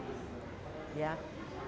globus itu ada tukang minuman di depan rumah orang